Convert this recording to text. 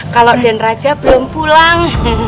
kalau dan raja belum pulang